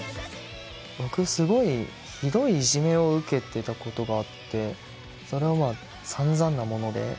僕すごいひどいいじめを受けてたことがあってそれはまあさんざんなもので。